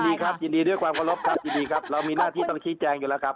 ดีครับยินดีด้วยความเคารพครับยินดีครับเรามีหน้าที่ต้องชี้แจงอยู่แล้วครับ